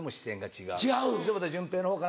違う。